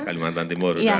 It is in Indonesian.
kelimatan timur sudah